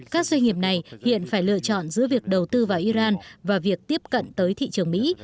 các doanh nghiệp này hiện phải lựa chọn giữa việc đầu tư vào iran và việc tiếp cận tới thị trường mỹ